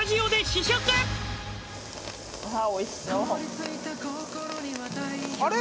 わあおいしそうあれ？